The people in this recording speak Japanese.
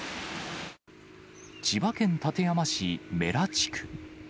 千葉県館山市布良地区。